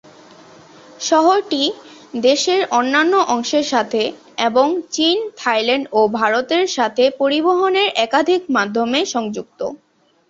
শহরটি দেশের অন্যান্য অংশের সাথে এবং চীন, থাইল্যান্ড ও ভারতের সাথে পরিবহণের একাধিক মাধ্যমে সংযুক্ত।